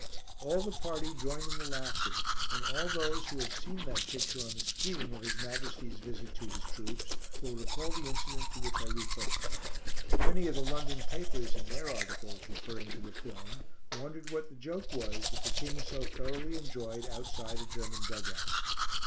All the party joined in the laughter, and all those who have seen that picture on the screen of His Majesty's visit to his troops, will recall the incident to which I refer. Many of the London papers in their articles, referring to the film, wondered what the joke was that the King so thoroughly enjoyed outside a German dug out.